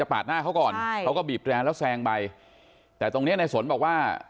ปาดหน้าเขาก่อนใช่เขาก็บีบแรนแล้วแซงไปแต่ตรงเนี้ยในสนบอกว่า